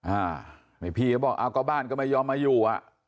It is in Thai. อ่านี่พี่เขาบอกเอาก็บ้านก็ไม่ยอมมาอยู่อ่ะ